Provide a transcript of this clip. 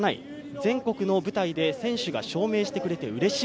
全国の舞台で選手が証明してくれてうれしい。